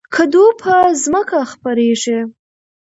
کدو په ځمکه خپریږي